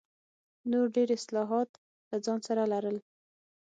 نور ډېر اصلاحات له ځان سره لرل.